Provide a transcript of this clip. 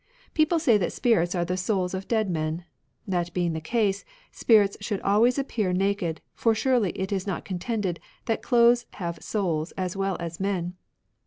... People say that spirits are the souls of dead men. That being the case, spirits should always appear naked, for surely it is not contended that clothes have souls as well as men.